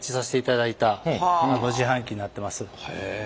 へえ。